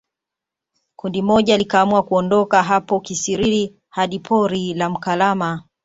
Kundi moja likaamua kuondoka hapo Kisiriri hadi pori la Mkalama